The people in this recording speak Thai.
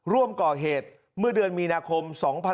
ร่วมก่อเหตุเมื่อเดือนมีนาคม๒๕๖๒